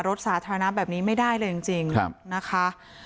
รถสาธารณะแบบนี้ไม่ได้เลยจริงนะคะ